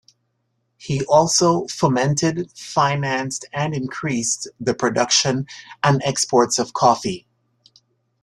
He also fomented, financed and increased the production and exports of coffee.